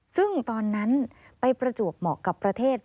ซึ่งตอนนั้นไปประจวบเหมาะกับประเทศ